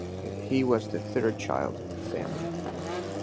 He was the third child of the family.